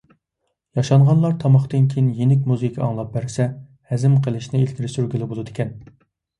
ياشانغانلار تاماقتىن كېيىن يېنىك مۇزىكا ئاڭلاپ بەرسە، ھەزىم قىلىشنى ئىلگىرى سۈرگىلى بولىدىكەن.